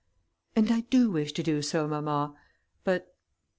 "And I do wish to do so, mamma, but...."